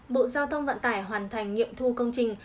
bộ giao thông vận tải hoàn thành nghiệm thu công trình